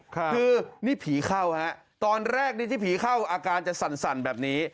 คือนี่ผีเข้าฮะตอนแรกนี่ที่ผีเข้าอาการจะสั่นแบบนี้